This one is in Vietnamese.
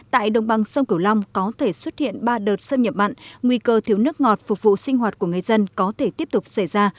tại đồng bằng sông cửu long có thể xuất hiện ba đợt xâm nhập mặn nguy cơ thiếu nước ngọt phục vụ sinh hoạt của người dân có thể tiếp tục xảy ra